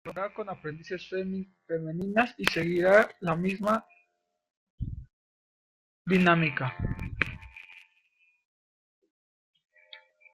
La segunda temporada del programa contará con aprendices femeninas y seguirá la misma dinámica.